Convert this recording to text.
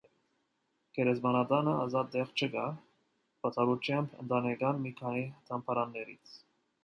Գերեզմանատանը ազատ տեղ չկա, բացառությամբ ընտանեկան մի քանի դամբարաններից։